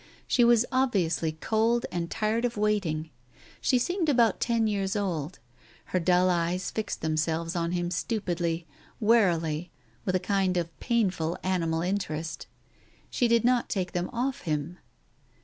She was obviously cold and tired of waiting. She seemed about ten years old. Her dull eyes fixed themselves on him stupidly, wearily, with a kind of painful animal interest. ... She did not take them off him.